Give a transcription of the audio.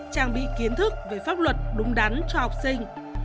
trang bị kiến thức về pháp luật đúng đắn cho học sinh